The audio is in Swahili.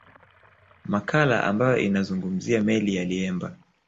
Makala ambayo inazungumzia meli ya Liemba